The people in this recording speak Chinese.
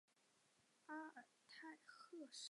阿尔泰鹤虱为紫草科鹤虱属天山鹤虱的变种。